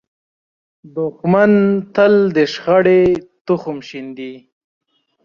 دښمن تل د شخړې تخم شیندي